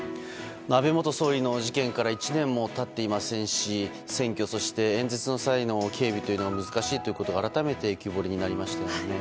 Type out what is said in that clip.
安倍元総理の事件から１年も経っていませんし選挙、そして演説の際の警備が難しいということが改めて浮き彫りになりましたね。